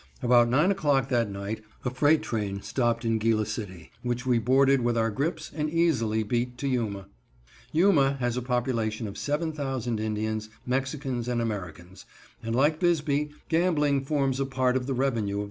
About nine o'clock that night a freight train stopped in Gila City, which we boarded with our grips and easily beat to Yuma. Yuma has a population of 7,000 Indians, Mexicans and Americans, and like Bisbee, gambling forms a part of the revenue of the saloons.